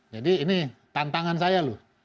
jadi ini tantangan saya loh